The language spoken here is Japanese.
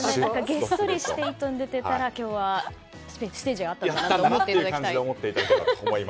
げっそりして「イット！」に出てたら今日はステージがあったんだなと思っていただきたい。